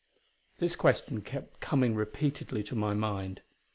This question kept coming repeatedly to my mind.